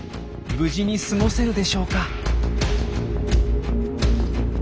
無事に過ごせるでしょうか？